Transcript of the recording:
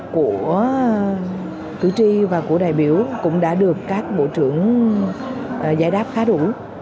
củ chi và củ đại biểu cũng đã được các bộ trưởng giải đáp khá đủ